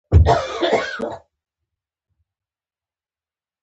وزې له وچکالۍ سره مقاومت کوي